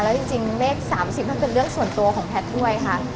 แล้วจริงเลข๓๐มันเป็นเรื่องส่วนตัวของแพทย์ด้วยค่ะ